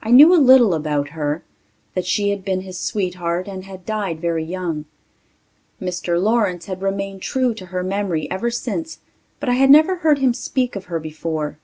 I knew a little about her ... that she had been his sweetheart and had died very young. Mr. Lawrence had remained true to her memory ever since, but I had never heard him speak of her before.